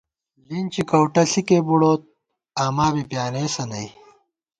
لِنچی کؤٹہ ݪِکےبُڑوت، آما بی پیانېسہ نئی